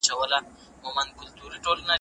لویه جرګه د هیواد د لویو ستونزو لپاره څه حل لري؟